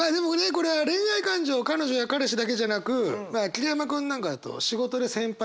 これは恋愛感情彼女や彼氏だけじゃなくまあ桐山君なんかだと仕事で先輩後輩メンバー